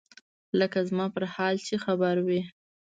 لکه زما پر حال چې خبر وي.